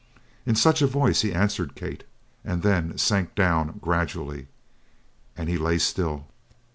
In such a voice he answered Kate, and then sank down, gradually. And he lay still.